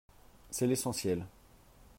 C’est l’essentiel